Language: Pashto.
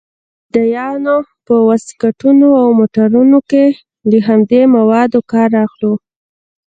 موږ د فدايانو په واسکټونو او موټرانو کښې له همدې موادو کار اخلو.